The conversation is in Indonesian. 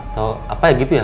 atau apa gitu ya